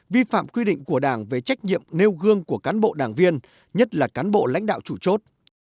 vi phạm quy định của đảng về trách nhiệm nêu gương của cán bộ đảng viên nhất là cán bộ lãnh đạo chủ chốt